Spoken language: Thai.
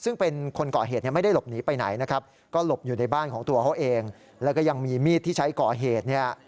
ซึ่งเป็นคนก่อเหตุไม่ได้หลบหนีไปไหน